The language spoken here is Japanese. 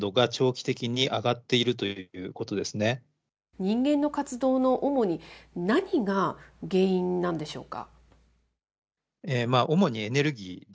人間の活動の主に何が原因なんでしょうか。